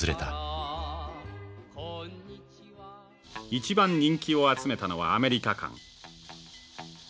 「一番人気を集めたのはアメリカ館」。